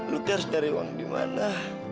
lu itu harus tarik uang di mana